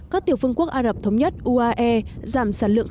các tiểu phương quốc ả rập xê út đã giảm sản lượng